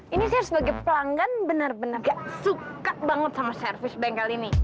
ini saya sebagai pelanggan benar benar suka banget sama servis bengkel ini